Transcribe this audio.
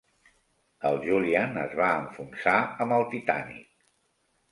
El Julian es va enfonsar amb el "Titanic".